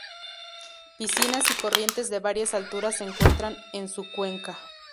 Piscinas y corrientes de varias alturas se encuentran en su cuenca.